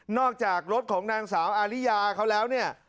จากรถของนางสาวอาริยาเขาแล้วเนี่ย